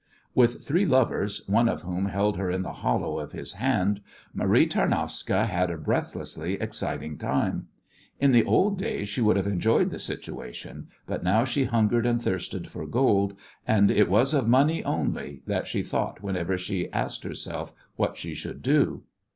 With three lovers, one of whom held her in the hollow of his hand, Marie Tarnowska had a breathlessly exciting time. In the old days she would have enjoyed the situation, but now she hungered and thirsted for gold, and it was of money only that she thought whenever she asked herself what she should do.